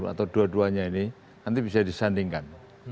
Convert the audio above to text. atau dua duanya ini nanti bisa disandingkan